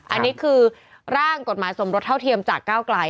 อันนี้คือร่างกฎหมายสมรสเท่าเทียมจากก้าวไกล